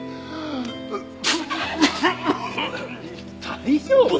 大丈夫？